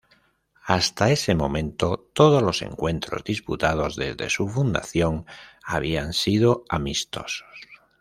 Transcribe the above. Hasta ese momento todos los encuentros disputados desde su fundación habían sido amistosos.